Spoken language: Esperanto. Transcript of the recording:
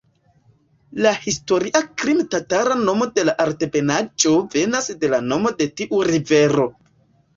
La historia krime-tatara nomo de la altebenaĵo venas de la nomo de tiu rivero.